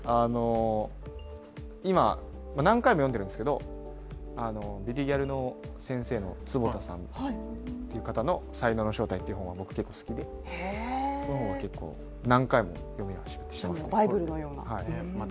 今、何回も読んでるんですけど「ビリギャル」の先生のつぼたさんという方の「才能の正体」という本を僕は好きで、その本は何回も読みました。